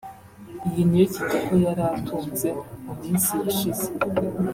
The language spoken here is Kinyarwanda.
Iyi ni yo Kitoko yari atunze mu minsi yashize